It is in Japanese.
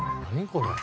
これ。